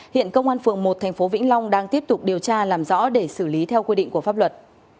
hiện công an phường một tp vĩnh long đang tiếp tục điều tra làm rõ để xử lý theo quy định của pháp luật